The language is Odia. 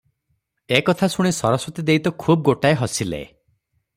ଏ କଥା ଶୁଣି ସରସ୍ୱତୀ ଦେଈ ତ ଖୁବ୍ ଗୋଟାଏ ହସିଲେ ।